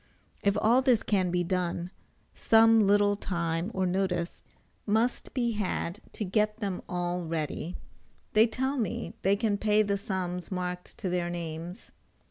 If all this can be done, some little time or notice must be had to get them all ready. They tell me they can pay the sums marked to their names.